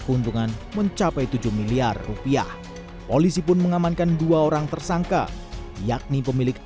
keuntungan mencapai tujuh miliar rupiah polisi pun mengamankan dua orang tersangka yakni pemilik